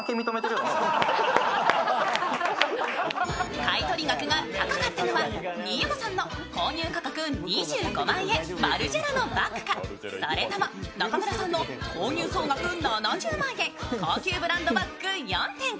買い取り額が高かったのは新山さんの購入金額２５万円、マルジェラのバッグか、それとも中村さんの購入総額７０万円、高級ブランドバッグ４点か。